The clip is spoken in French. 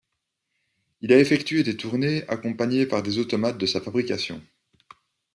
Il a effectué des tournées accompagné par des automates de sa fabrication.